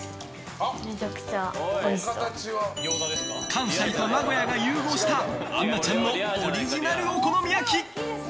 関西と名古屋が融合した杏菜ちゃんのオリジナルお好み焼き。